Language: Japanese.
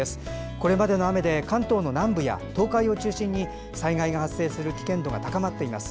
これまでの雨で関東南部や東海を中心に災害が発生する危険度が高まっています。